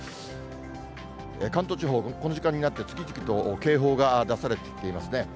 関東地方、この時間になって、次々と警報が出されていますね。